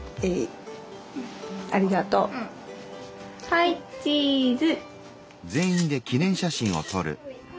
はいチーズ。